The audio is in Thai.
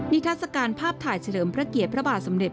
ทัศกาลภาพถ่ายเฉลิมพระเกียรติพระบาทสมเด็จ